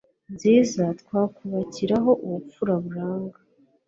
nziza twakubakiraho ubupfura buranga